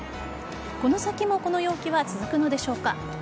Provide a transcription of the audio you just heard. この先もこの陽気は続くのでしょうか。